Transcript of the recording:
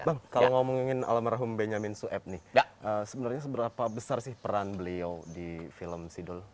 bang kalau ngomongin almarhum benyamin sueb nih sebenarnya seberapa besar sih peran beliau di film sidul